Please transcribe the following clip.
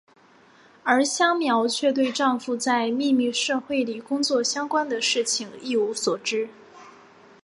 而香苗却对丈夫在秘密社会里工作相关的事情一无所知。